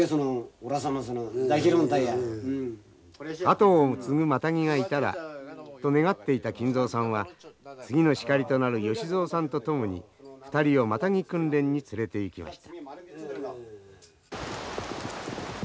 後を継ぐマタギがいたらと願っていた金蔵さんは次のシカリとなるよしぞうさんと共に２人をマタギ訓練に連れていきました。